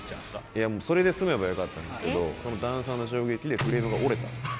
いや、それで済めばよかったんですけど、その段差の衝撃でフレームが折れた。